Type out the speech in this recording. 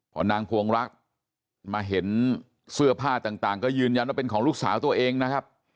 พอนางพวงรักมาเห็นเสื้อผ้าต่างก็ยืนยันว่าเป็นของลูกสาวตัวเองนะครับ